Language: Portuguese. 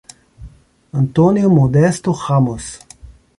Antônio Modesto Ramos